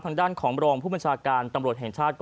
ทางด้านของรองผู้บัญชาการตำรวจแห่งชาติ